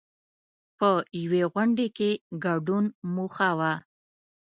په یوې غونډې کې ګډون موخه وه.